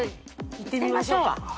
いってみましょうか。